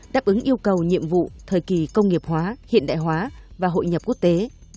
đáp ứng yêu cầu nhiệm vụ thời kỳ công nghiệp hóa hiện đại hóa và hội nhập quốc tế